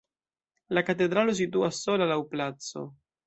La katedralo situas sola laŭ placo.